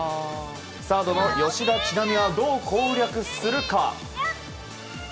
サードの吉田知那美がどう攻略するか。